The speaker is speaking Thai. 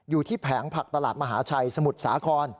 อยู่ที่แผงผักตลาดมหาชัยสมุทรสาคร